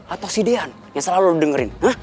atau si dian yang selalu lo dengerin